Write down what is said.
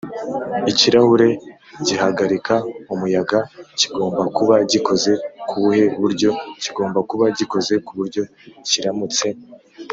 ikirahure gihagarika umuyaga kigomba kuba gikoze kubuhe buryo?kigomba kuba gikoze kuburyo kiramutse